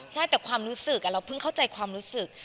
ใช่แต่ความรู้สึกเราเพิ่งเข้าใจความรู้สึก